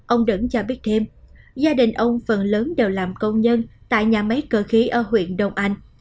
ông đẫn cho biết thêm gia đình ông phần lớn đều làm công nhân tại nhà máy cơ khí ở huyện đông anh